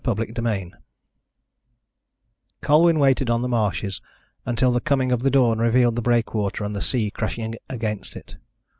CHAPTER XI Colwyn waited on the marshes until the coming of the dawn revealed the breakwater and the sea crashing against it.